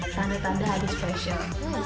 tanda tanda ada special